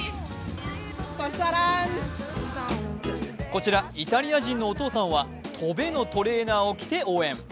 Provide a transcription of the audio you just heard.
こちら、イタリア人のお父さんは「飛べ」のトレーナーを着て応援。